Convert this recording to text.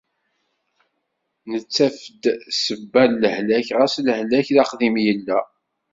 Nettaf-d ssebba n lehlak ɣas lehlak d aqdim yella.